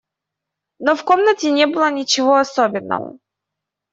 Но в комнате не было ничего особенного.